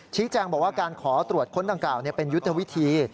ชี้แจงบอกว่าการขอตรวจค้นดังกล่าวเป็นยุทธวิธี